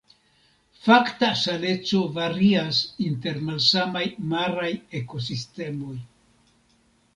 Fakta saleco varias inter malsamaj maraj ekosistemoj.